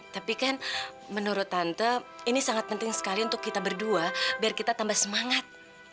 tapi kan menurut tante ini sangat penting sekali untuk kita berdua biar kita tambah semangat